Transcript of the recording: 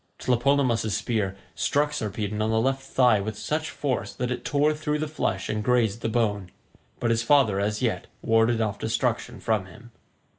Tlepolemus's spear struck Sarpedon on the left thigh with such force that it tore through the flesh and grazed the bone, but his father as yet warded off destruction from him.